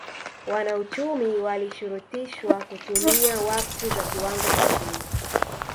Wanauchumi walishurutishwa kutumia wakfu za kiwango cha chini